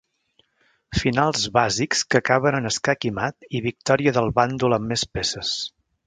Finals bàsics que acaben en escac i mat i victòria del bàndol amb més peces.